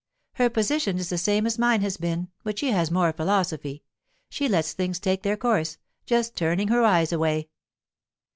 "Her position is the same as mine has been, but she has more philosophy; she lets things take their course, just turning her eyes away."